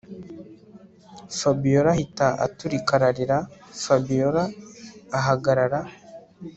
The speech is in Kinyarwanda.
Fabiora ahita aturika ararira Fabiora ahagarara